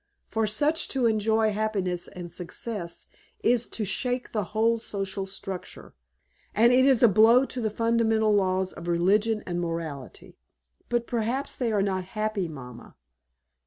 For such to enjoy happiness and success is to shake the whole social structure, and it is a blow to the fundamental laws of religion and morality." "But perhaps they are not happy, mamma."